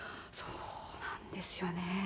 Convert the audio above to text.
そうなんですよね。